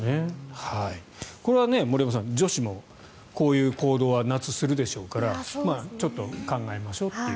これは森山さん女子もこういう行動は夏、するでしょうからちょっと考えましょうっていう。